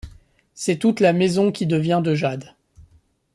C'est toute la maison qui devient de jade.